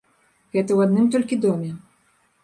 Гэта ў адным толькі доме.